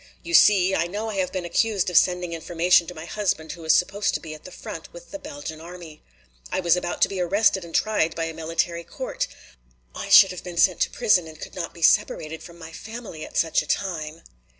"You see, I know I have been accused of sending information to my husband who is supposed to be at the front with the Belgian army. I was about to be arrested and tried by a military court. I should have been sent to prison and I could not be separated from my family at such a time!"